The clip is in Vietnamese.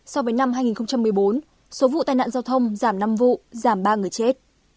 so với năm hai nghìn một mươi bốn số vụ tai nạn giao thông giảm năm vụ giảm ba người chết